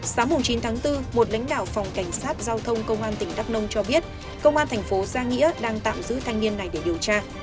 sáng chín tháng bốn một lãnh đạo phòng cảnh sát giao thông công an tỉnh đắk nông cho biết công an thành phố gia nghĩa đang tạm giữ thanh niên này để điều tra